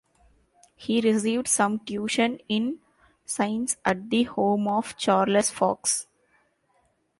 He received some tuition in science at the home of Charles Fox.